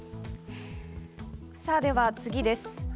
さあ、では次です。